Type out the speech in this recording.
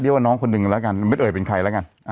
ว่าน้องคนหนึ่งแล้วกันไม่เอ่ยเป็นใครแล้วกัน